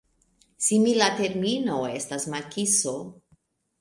Simila termino estas makiso.